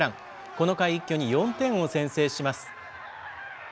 この回、一挙に４点を先制します。